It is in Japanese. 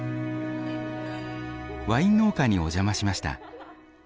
ワイン農家にお邪魔しました。